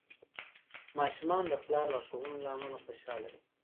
ماشومان د پلار لارښوونو له امله خوشحال وي.